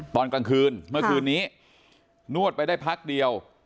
ตอนกลางคืนเมื่อคืนนี้นวดไปได้พักเดียว